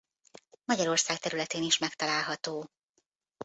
Magyarország területén is megtalálható.